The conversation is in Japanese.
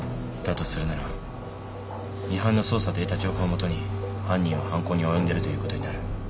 するならミハンの捜査で得た情報を基に犯人は犯行に及んでるということになる。